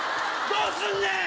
どうすんねん！